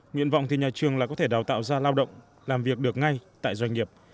nguyện vọng thì nhà trường là có thể đào tạo ra lao động làm việc được ngay tại doanh nghiệp